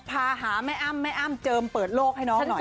พาหาแม่อ้ำแม่อ้ำเจิมเปิดโลกให้น้องหน่อย